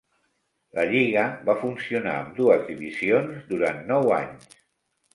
La lliga va funcionar amb dues divisions durant nou anys.